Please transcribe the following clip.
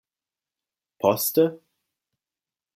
Poste?